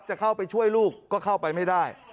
จะเข้าไปช่วยลูกก็เข้าไปไม่ได้